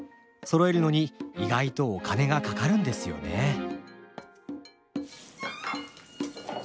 そろえるのに意外とお金がかかるんですよねえ。